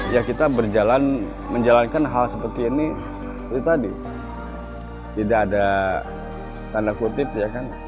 ya kita berjalan menjalankan hal seperti ini itu tadi tidak ada tanda kutip ya kan